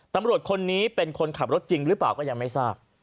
ตำรวจคนนี้เป็นคนขับรถจริงหรือเปล่าก็ยังไม่ทราบ